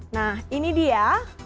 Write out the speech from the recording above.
nah ini dia